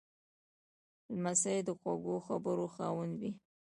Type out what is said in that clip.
لمسی د خوږو خبرو خاوند وي.